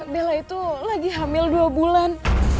bella itu lagi hamil dua bulan